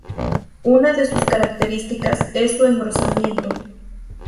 Una de sus características es su engrosamiento.